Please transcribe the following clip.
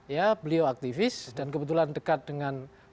ya beliau aktivis dan kebetulan dekat dengan